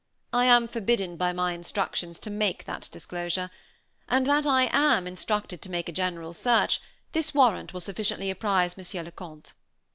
"I am forbidden by my instructions to make that disclosure; and that I am instructed to make a general search, this warrant will sufficiently apprise Monsieur le Comte."